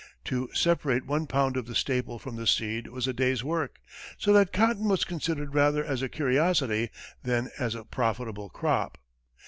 To separate one pound of the staple from the seed was a day's work, so that cotton was considered rather as a curiosity than as a profitable crop.